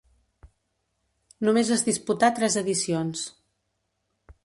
Només es disputà tres edicions.